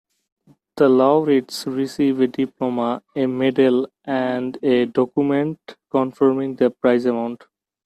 The laureates receive a diploma, a medal and a document confirming the prize amount.